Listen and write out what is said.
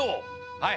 はい！